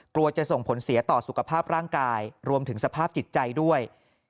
จะส่งผลเสียต่อสุขภาพร่างกายรวมถึงสภาพจิตใจด้วย